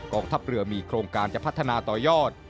ทัพเรือมีโครงการจะพัฒนาต่อยอด